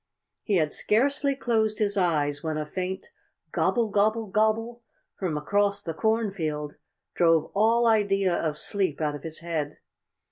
He had scarcely closed his eyes when a faint "Gobble, gobble, gobble" from across the cornfield drove all idea of sleep out of his head.